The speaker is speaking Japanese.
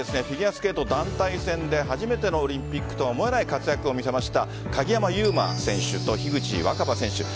フィギュアスケート団体戦で初めてのオリンピックとは思えない活躍を見せました鍵山優真選手と樋口新葉選手。